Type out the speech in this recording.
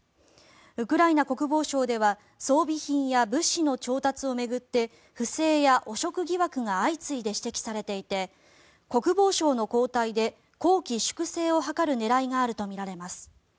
ウクライナ国防省では装備品や物資の調達を巡って不正や汚職疑惑が相次いで指摘されていて国防相の交代で綱紀粛正を図る狙いがあるとみられます。